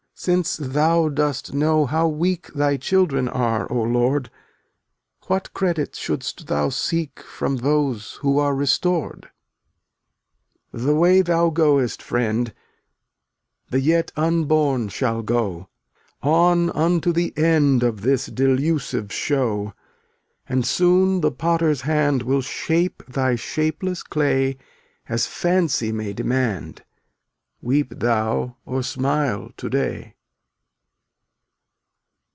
Since Thou dost know how weak Thy children are, O Lord, What credit shouldst Thou seek From those who are restored? 297 The way thou goest, friend, (fttftAl* The yet unborn shall go, t£ On — on unto the end \Jv£' Of this delusive show — KVLWft And soon the Potter's hand 3 Will shape thy shapeless clay As fancy may demand, Weep thou or smile to day.